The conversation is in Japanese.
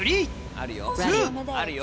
あるよ。